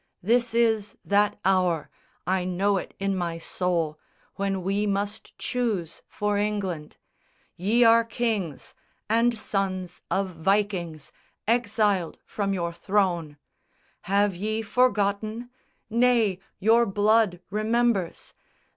This is that hour, I know it in my soul, When we must choose for England. Ye are kings, And sons of Vikings, exiled from your throne. Have ye forgotten? Nay, your blood remembers!